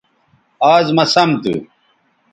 آز مہ سم تھو